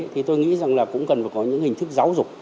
thì tôi nghĩ rằng là cũng cần phải có những hình thức giáo dục